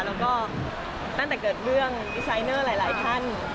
แล้วก็ตั้งแต่เกิดเรื่องดีไซเนอร์หลายท่าน